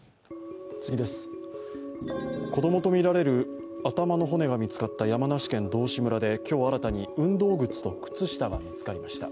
子供とみられる頭の骨が見つかった山梨県道志村で今日新たに運動靴と靴下が見つかりました。